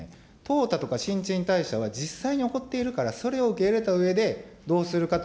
淘汰とか新陳代謝は、実際に起こっているから、それを受け入れたうえでどうするかと。